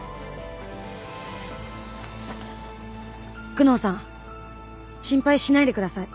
久能さん心配しないでください。